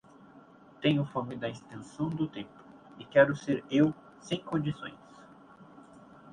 Tenho fome da extensão do tempo, e quero ser eu sem condições.